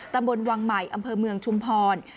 ตำบลวังใหม่อำเภอเมืองชุมพร